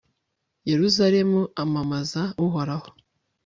yeruzalemu, amamaza uhoraho